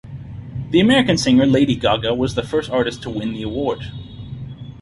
The American singer Lady Gaga was the first artist to win the award.